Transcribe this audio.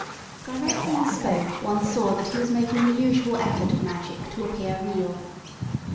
Directly he spoke, one saw that he was making the usual effort of magic to appear real.